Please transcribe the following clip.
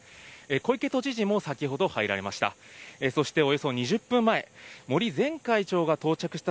小池都知事も先ほど、入られました。